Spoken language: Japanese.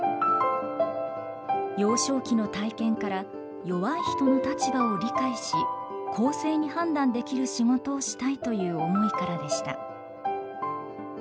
幼少期の体験から弱い人の立場を理解し公正に判断できる仕事をしたいという思いからでした。